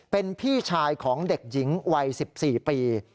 เป็นพี่ชายของเด็กหญิงวัย๑๔ปี